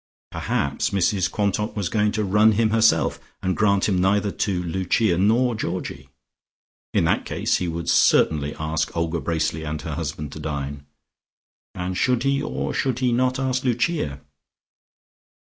Perhaps Mrs Quantock was going to run him herself, and grant him neither to Lucia nor Georgie. In that case he would certainly ask Olga Bracely and her husband to dine, and should he or should he not ask Lucia?